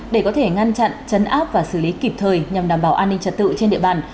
để có thể ngăn chặn chấn áp và xử lý kịp thời nhằm đảm bảo an ninh trật tự trên địa bàn